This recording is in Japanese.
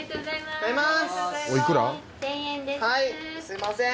はいすいません。